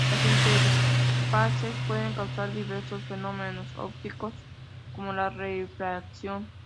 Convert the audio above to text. Las interfaces pueden causar diversos fenómenos ópticos, como la refracción.